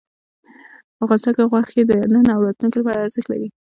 افغانستان کې غوښې د نن او راتلونکي لپاره ارزښت لري.